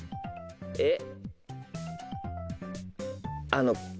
えっ？